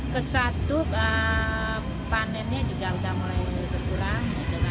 ke satu panennya juga sudah mulai berkurang